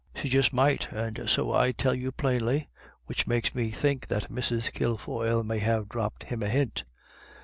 She just might, and so I tell you plainly ;" which makes me think that Mrs. Kilfoyle may have dropped him a hint.